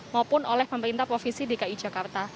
maupun oleh pemerintah provinsi dki jakarta